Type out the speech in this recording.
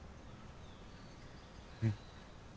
うん。